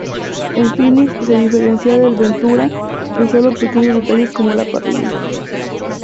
El Phoenix se diferencia del Ventura, en sólo pequeños detalles como la parrilla.